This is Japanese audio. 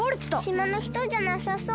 しまのひとじゃなさそう。